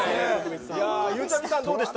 ゆうちゃみさんどうでした？